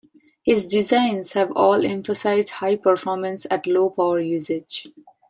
His designs have all emphasized high performance at low power usage.